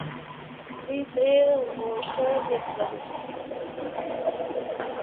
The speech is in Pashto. دوه درې غوړپه مې وکړل.